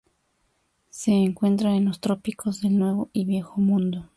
Se encuentra en los trópicos del nuevo y Viejo Mundo.